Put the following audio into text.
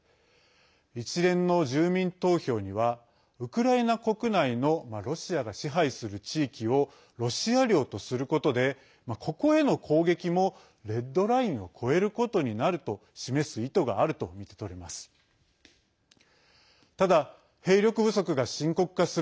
一連の住民投票にはウクライナ国内のロシアが支配する地域をロシア領とすることでここへの攻撃も、レッドラインを越えることになると示す意図があるとみてとれます。